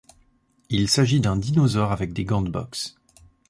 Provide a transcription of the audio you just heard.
Il s'agit d'un dinosaure avec des gants de boxe.